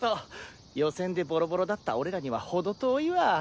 予選でボロボロだった俺らにはほど遠いわ。